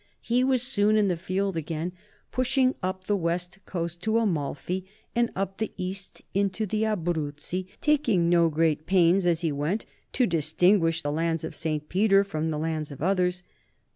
He was soon in the field again, pushing up the west coast to Amain and up the east into the Abruzzi, taking no great pains as he went to distinguish the lands of St. Peter from the lands of others.